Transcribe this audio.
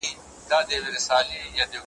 همېشه رڼې اوبه پکښي بهاندي ,